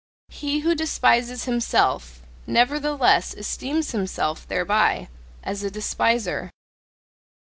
He who despises himself, nevertheless esteems himself thereby, as a despiser.